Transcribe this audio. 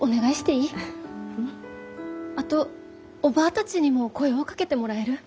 あとおばぁたちにも声をかけてもらえる？